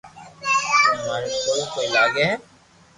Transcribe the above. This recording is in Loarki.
تو اماري ڪوئي ڪوئي لاگو ھي